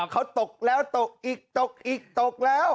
เขาตกแล้วตกอีกตกอีกตกแล้ว